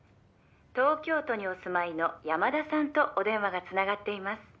「東京都にお住まいの山田さんとお電話が繋がっています」